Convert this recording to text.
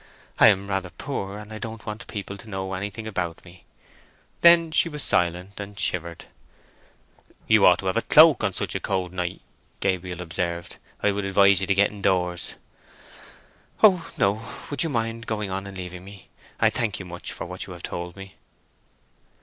"I am rather poor, and I don't want people to know anything about me." Then she was silent and shivered. "You ought to have a cloak on such a cold night," Gabriel observed. "I would advise 'ee to get indoors." "O no! Would you mind going on and leaving me? I thank you much for what you have told me."